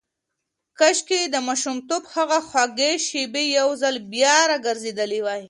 کاشکې د ماشومتوب هغه خوږې شېبې یو ځل بیا راګرځېدلای.